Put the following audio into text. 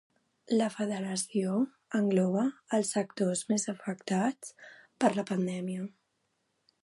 La federació engloba els sectors més afectats per la pandèmia.